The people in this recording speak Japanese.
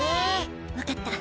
わかった！